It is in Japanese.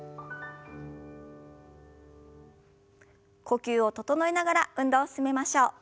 呼吸を整えながら運動を進めましょう。